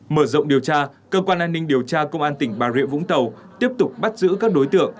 mở rộng điều tra cơ quan an ninh điều tra công an tỉnh bà rịa vũng tàu tiếp tục bắt giữ các đối tượng